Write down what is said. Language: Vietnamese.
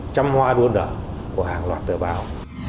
trăm hoa đua nở của hàng loạt tờ báo